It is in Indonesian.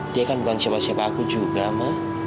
dia kan bukan siapa siapa aku juga mah